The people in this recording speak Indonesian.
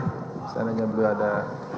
misalnya jangan beli ada